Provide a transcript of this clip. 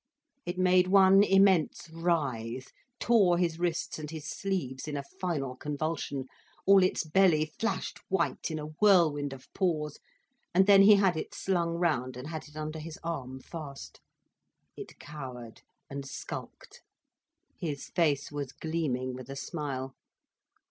It made one immense writhe, tore his wrists and his sleeves in a final convulsion, all its belly flashed white in a whirlwind of paws, and then he had slung it round and had it under his arm, fast. It cowered and skulked. His face was gleaming with a smile.